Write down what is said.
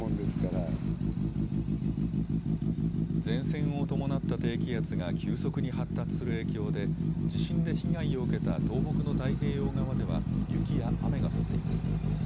前線を伴った低気圧が急速に発達する影響で地震で被害を受けた東北の太平洋側では雪や雨が降っています。